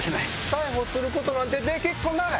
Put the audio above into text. ・逮捕することなんてできっこない・